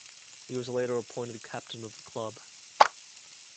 He was later appointed captain of the club.